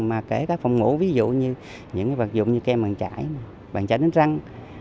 mà kể cả phòng ngủ ví dụ như những vật dụng như kem bàn chải bàn chải đánh răng